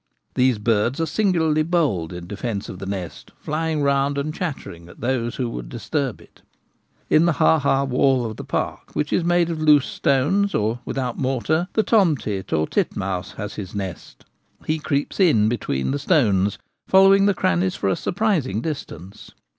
These birds are singularly bold in defence of the nest, flying round and chattering at those who would disturb it. In the ha ha wall of the park, which is made of loose stones or without mortar, the tomtit, or titmouse, has his nest He creeps in between the stones, follow ing the crannies for a surprising distance.